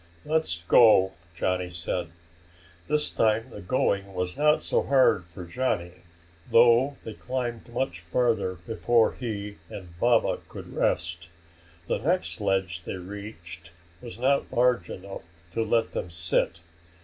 "Let's go!" Johnny said. This time the going was not so hard for Johnny, though they climbed much farther before he and Baba could rest. The next ledge they reached was not large enough to let them sit.